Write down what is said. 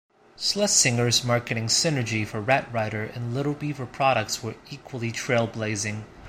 Slesinger's marketing synergy for Red Ryder and Little Beaver products was equally trail-blazing.